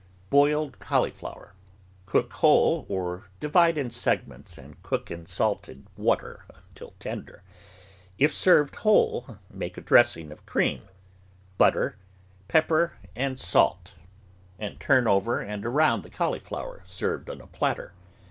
BOILED CAULIFLOWER Cook whole, or divide in segments and cook in salted water until tender. If served whole, make a dressing of cream, butter, pepper, and salt, and turn over and around the cauliflower served on a platter.